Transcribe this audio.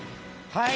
はい！